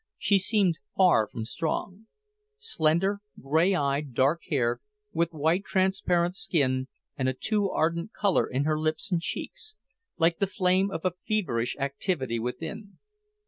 She seemed far from strong. Slender, grey eyed, dark haired, with white transparent skin and a too ardent colour in her lips and cheeks, like the flame of a feverish activity within.